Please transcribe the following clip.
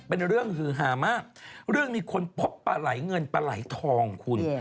เป็นเรื่องฮือหามากเรื่องนี้คนพบปลาไหลเงินปลาไหลทองคุณ